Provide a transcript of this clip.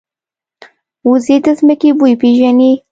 وزې د ځمکې بوی پېژني